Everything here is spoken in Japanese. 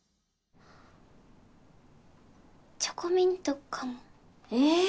チョコミントかもええっ